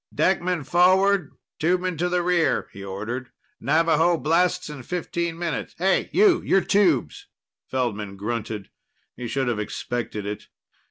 "Deckmen forward, tubemen to the rear," he ordered. "Navaho blasts in fifteen minutes. Hey, you! You're tubes." Feldman grunted. He should have expected it.